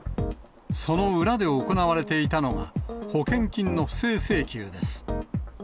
その裏で行われていたのが、保険金の不正請求です。